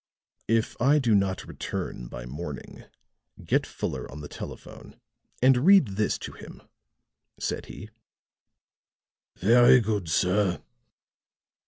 "If I do not return by morning, get Fuller on the telephone and read this to him," said he. "Very good, sir."